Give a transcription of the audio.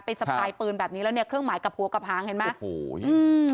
ไปสะปายปืนแบบนี้แล้วเนี่ยเครื่องหมายกระพังกระพังเห็นไหม